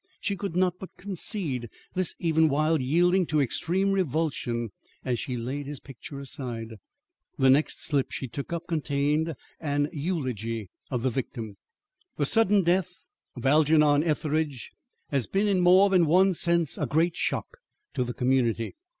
She could not but concede this even while yielding to extreme revulsion as she laid his picture aside. The next slip she took up contained an eulogy of the victim. "The sudden death of Algernon Etheridge has been in more than one sense a great shock to the community.